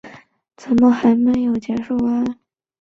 圣朱利安德克朗普斯。